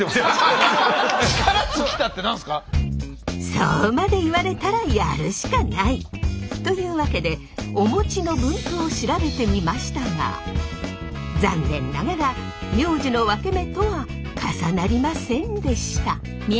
そうまで言われたらやるしかない！というわけでお餅の分布を調べてみましたが残念ながら名字のワケメとは重なりませんでした。